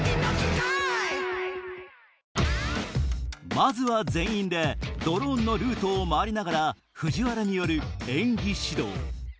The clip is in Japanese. まずは全員でドローンのルートを回りながら藤原による演技指導